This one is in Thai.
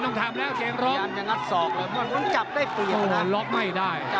นี่นี่นี่นี่นี่